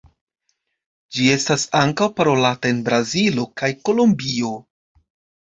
Ĝi estas ankaŭ parolata en Brazilo kaj Kolombio.